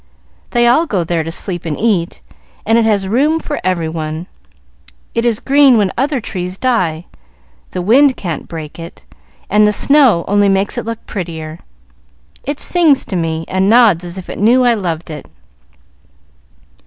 "They all go there to sleep and eat, and it has room for every one. It is green when other trees die, the wind can't break it, and the snow only makes it look prettier. It sings to me, and nods as if it knew I loved it."